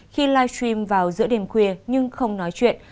khi live stream vào giữa đêm khuya nhưng không nói chuyện